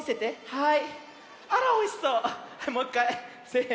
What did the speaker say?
はい。